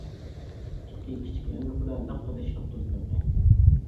ئىككى كىچىك يانچۇقىدا لىققىدە شاپتۇل قېقى.